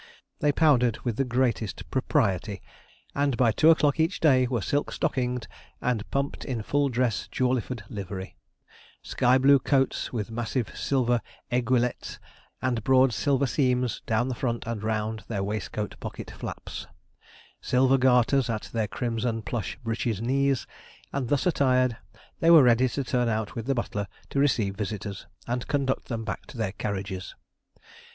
They powdered with the greatest propriety, and by two o'clock each day were silk stockinged and pumped in full dress Jawleyford livery; sky blue coats with massive silver aiguillettes, and broad silver seams down the front and round their waistcoat pocket flaps; silver garters at their crimson plush breeches' knees: and thus attired, they were ready to turn out with the butler to receive visitors, and conduct them back to their carriages.